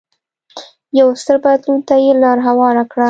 یو ستر بدلون ته یې لار هواره کړه.